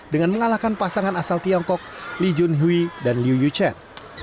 dengan mengalahkan pasangan asal tiongkok li junhui dan liu yuchen